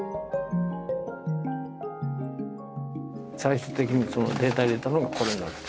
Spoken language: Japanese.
最終的にデータを入れたのがこれなんです。